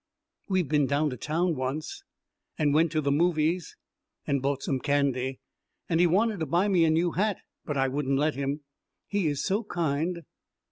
We have been down to town once, and went to the movies and bought some candy, and he wanted to buy me a new hat, but I wouldn't let him. He is so kind....